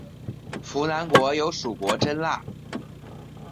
扶南国有属国真腊。